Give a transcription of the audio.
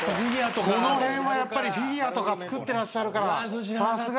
この辺はやっぱりフィギュアとか作ってらっしゃるから。